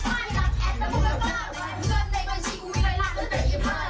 สวัสดีค่ะคุณผู้ชมค่ะวันนี้ฮาปัสพามาถึงจากกันอยู่ที่ยา